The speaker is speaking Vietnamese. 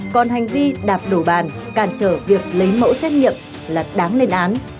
còn hành vi đạp đổ bàn càn trở việc lấy mẫu xét nghiệm là đáng lên án